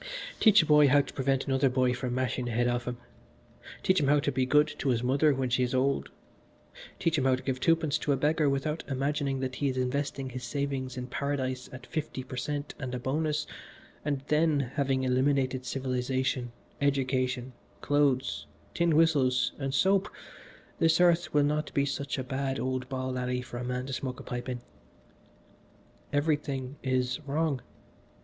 Teach a boy how to prevent another boy from mashing the head off him, teach him how to be good to his mother when she is old, teach him how to give two pence to a beggar without imagining that he is investing his savings in Paradise at fifty per cent and a bonus; and then, having eliminated civilisation, education, clothes, tin whistles and soap this earth will not be such a bad old ball alley for a man to smoke a pipe in. "Everything is wrong.